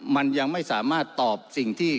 มันยังไม่สามารถตอบสิ่งที่